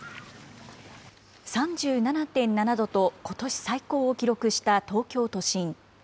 ３７．７度と、ことし最高を記録した東京都心。